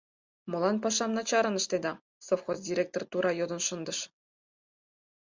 Молан пашам начарын ыштеда? — совхоз директор тура йодын шындыш.